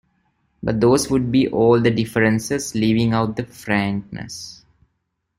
But those would be all the differences, leaving out the frankness.